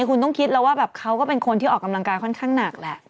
คุณต้องคิดแล้วว่าแบบเขาก็เป็นคนที่ออกกำลังกายค่อนข้างหนักแหละ